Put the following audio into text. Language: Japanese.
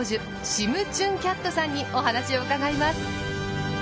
シムチュン・キャットさんにお話を伺います。